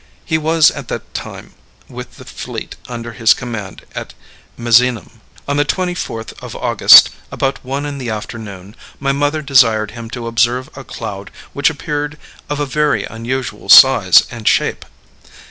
He was at that time with the fleet under his command at Misenum. On the 24th of August, about one in the afternoon, my mother desired him to observe a cloud which appeared of a very unusual size and shape.